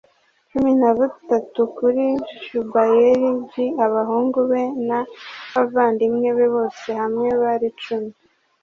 Cumi na butatu kuri shubayeli j abahungu be n abavandimwe be bose hamwe bari cumi